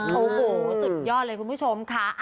โอ้โหสุดยอดเลยคุณผู้ชมค่ะ